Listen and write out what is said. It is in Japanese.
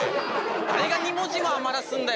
誰が２文字も余らすんだよ